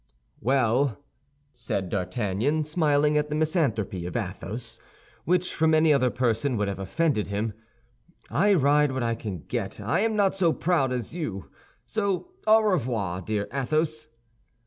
"Well," said D'Artagnan, smiling at the misanthropy of Athos, which from any other person would have offended him, "I ride what I can get; I am not so proud as you. So au revoir, dear Athos."